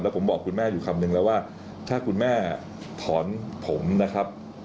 ผมบอกคุณแม่อยู่คำนึงแล้วว่าถ้าคุณแม่ถอนผมนะครับ